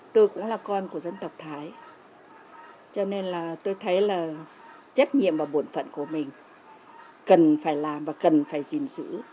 tôi cũng là con của dân tộc thái cho nên là tôi thấy là trách nhiệm và bộn phận của mình cần phải làm và cần phải gìn giữ